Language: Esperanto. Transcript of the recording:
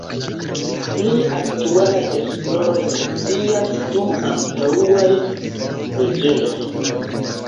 Pli aktualaj esploroj mencias du antaŭajn preĝejojn.